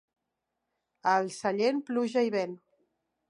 Al Sallent, pluja i vent.